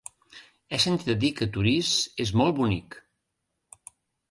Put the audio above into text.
He sentit a dir que Torís és molt bonic.